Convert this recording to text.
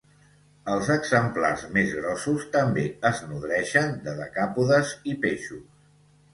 Els exemplars més grossos també es nodreixen de decàpodes i peixos.